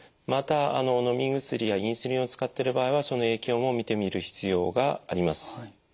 またあののみ薬やインスリンを使ってる場合はその影響も見てみる必要があります。